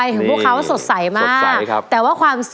เย็นละหัวคำ